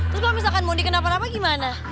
terus kalau misalkan mondi kenapa napa gimana